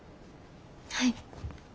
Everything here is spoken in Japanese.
はい。